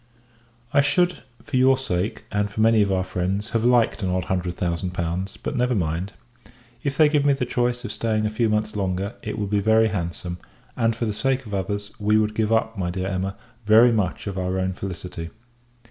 I should, for your sake, and for many of our friends, have liked an odd hundred thousand pounds; but, never mind. If they give me the choice of staying a few months longer, it will be very handsome; and, for the sake of others, we would give up, my dear Emma, very much of our own felicity.